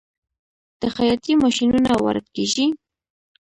د خیاطۍ ماشینونه وارد کیږي؟